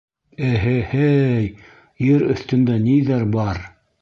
Эһе-һей, ер өҫтөндә ниҙәр ба-ар?